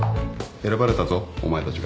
選ばれたぞお前たちが。